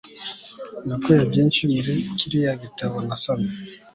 Nakuye byinshi muri kiriya gitabo nasomye